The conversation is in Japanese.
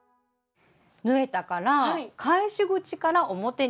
縫えたから返し口から表に返します。